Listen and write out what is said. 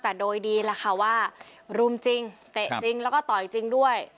แต่โดยดีแหละค่ะว่ารุมจริงเตะจริงแล้วก็ต่อยจริงด้วย